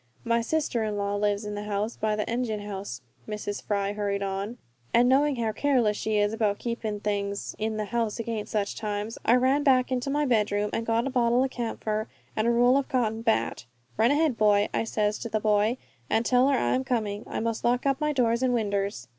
"My sister in law lives in the house by the engine house," Mrs. Fry hurried on, "and knowing how careless she is about keepin' things in the house against such times, I ran back into my bedroom and got a bottle of camphor and a roll of cotton batt. 'Run ahead, boy,' I says to the boy, 'an' tell her I am coming; I must lock up my doors and winders.'